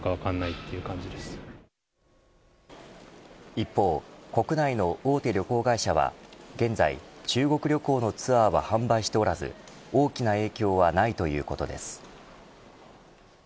一方、国内の大手旅行会社は現在、中国旅行のツアーは販売しておらず大きな影響はないということです。